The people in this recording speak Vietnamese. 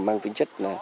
mang tính chất